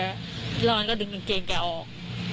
แล้วมันก็ดึงกางเกงแกออก